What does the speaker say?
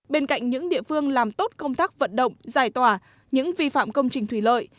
bên cạnh những địa phương làm tốt công tác vận động giải tỏa những vi phạm công trình thủy lợi